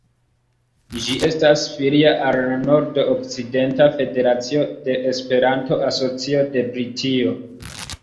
Ĝi estas filia al la Nord-Okcidenta Federacio de Esperanto-Asocio de Britio.